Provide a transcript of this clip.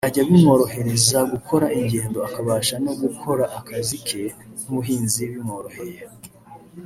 byajya bimwohereza gukora ingendo akabasha no gukora akazi ke k’ ubuhinzi bimworoheye